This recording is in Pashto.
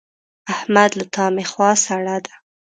احمد له تا مې خوا سړه ده.